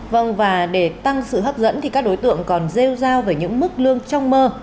vâng và để tăng sự hấp dẫn thì các đối tượng còn rêu rao về những mức lương trong mơ